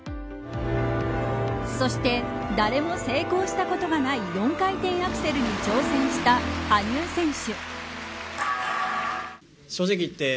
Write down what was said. そして誰も成功したことがない４回転アクセルに挑戦した、羽生選手。